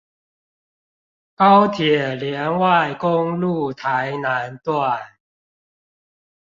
高鐵聯外公路臺南段